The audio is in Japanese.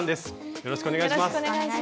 よろしくお願いします。